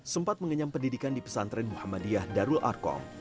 sempat mengenyam pendidikan di pesantren muhammadiyah darul arkong